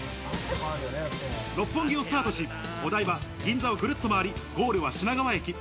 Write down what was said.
六本木をスタートし、お台場、銀座をぐるっと回り、ゴールは品川駅。